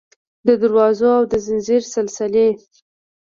د دروازو او د ځنځیر سلسلې